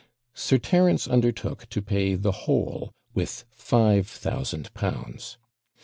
Sir Terence undertook to pay the whole with five thousand pounds.